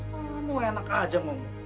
kamu enak aja mung